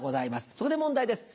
そこで問題です。